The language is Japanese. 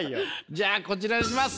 じゃあこちらにします。